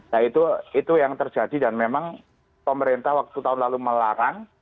nah itu yang terjadi dan memang pemerintah waktu tahun lalu melarang